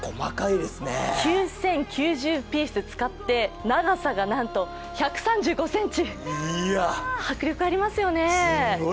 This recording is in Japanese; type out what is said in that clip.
９０９０ピース使って長さがなんと１３５ｃｍ、迫力ありますよね。